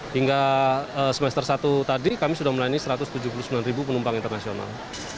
hingga semester satu tadi kami sudah melayani satu ratus tujuh puluh sembilan ribu penumpang internasional